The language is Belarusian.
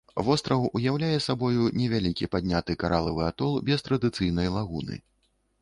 Востраў уяўляе сабою невялікі падняты каралавы атол без традыцыйнай лагуны.